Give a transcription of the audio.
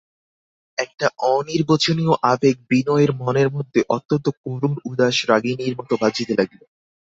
একটা অনির্বচনীয় আবেগ বিনয়ের মনের মধ্যে অত্যন্ত করুণ উদাস রাগিণীর মতো বাজিতে লাগিল।